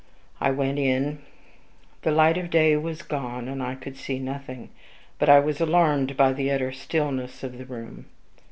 I went in. The light of day was gone, and I could see nothing. But I was alarmed by the utter stillness of the room.